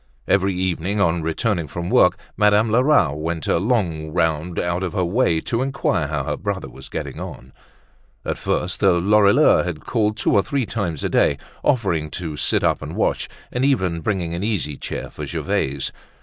Every evening, on returning from work, Madame Lerat went a long round out of her way to inquire how her brother was getting on. At first the Lorilleuxs had called two or three times a day, offering to sit up and watch, and even bringing an easy chair for Gervaise.